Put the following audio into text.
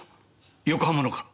横浜のか？